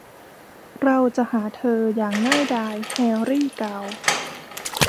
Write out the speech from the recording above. เราจะหาเธออย่างง่ายดาย แฮร์รี่กล่าว